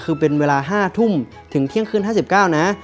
คือเป็นเวลา๕ทุ่มถึงเที่ยงคืน๕๙นะ